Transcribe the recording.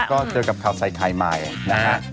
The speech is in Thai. นะครับก็เจอกับข่าวไซค์ไทยมายนะฮะ